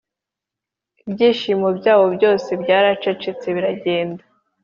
ibyishimo byabo byose byaracecetse biragenda;